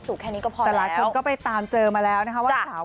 สุขแค่นี้ก็พอแล้วก็ไปตามเจอมาแล้วนะคะว่าสาหาว